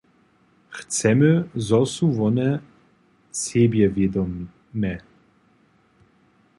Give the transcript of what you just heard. Chcemy, zo su wone sebjewědome.